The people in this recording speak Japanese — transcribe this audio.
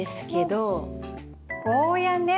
ゴーヤね。